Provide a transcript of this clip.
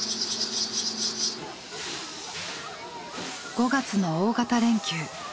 ５月の大型連休。